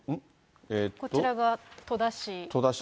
こちらが戸田市。